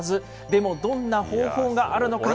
でもどんな方法があるのか。